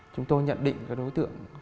chúng tôi nhận định cái đối tượng